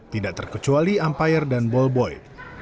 tidak terkecuali umpire dan ball boy